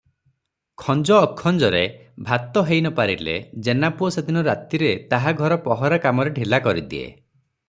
ଖଞ୍ଜ ଅଖଞ୍ଜରେ ଭାତ ହେଇନପାରିଲେ ଜେନାପୁଅ ସେଦିନ ରାତିରେ ତାହା ଘର ପହରା କାମରେ ଢିଲା କରିଦିଏ ।